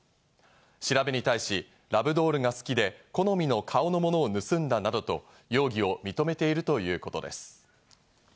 調べに対し、ラブドールが好きで、好みの顔のものを盗んだなどと容疑を認めているということです。